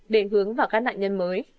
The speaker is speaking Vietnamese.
để hướng vào các nạn nhân mới